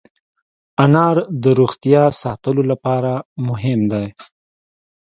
انار د روغتیا ساتلو لپاره مهم دی.